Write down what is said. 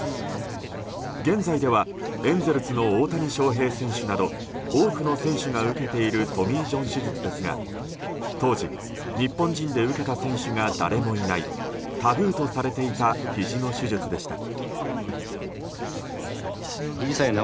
現在ではエンゼルスの大谷翔平選手など多くの選手が受けているトミー・ジョン手術ですが当時、日本人で受けた選手が誰もいないタブーとされていたひじの手術でした。